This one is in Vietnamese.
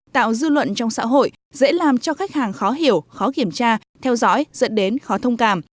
tạo dư luận trong xã hội dễ làm cho khách hàng khó hiểu khó kiểm tra theo dõi dẫn đến khó thông cảm